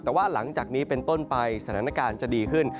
แต่ว่าหลังจากนี้เป็นต้นไปสถานการณ์จะดีขึ้น